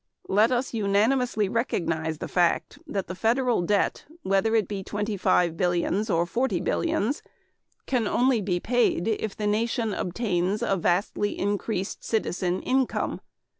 "Let us unanimously recognize the fact that the federal debt, whether it be twenty five billions or forty billions, can only be paid if the nation obtains a vastly increased citizen income.